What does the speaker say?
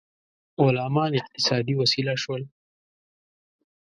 غلامان اقتصادي وسیله شول.